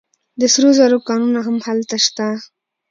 د سرو زرو کانونه هم هلته شته.